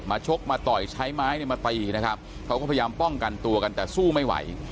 ชกมาต่อยใช้ไม้เนี่ยมาตีนะครับเขาก็พยายามป้องกันตัวกันแต่สู้ไม่ไหว